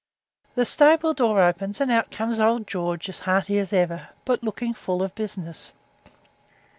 The stable door opens, and out comes old George as hearty as ever, but looking full of business.